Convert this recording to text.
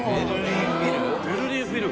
ベルリン・フィル？